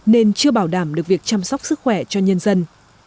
nên chưa bảo đảm được việc chăm sóc sức khỏe cho nhân dân